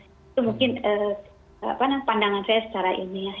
itu mungkin pandangan saya secara ilmiah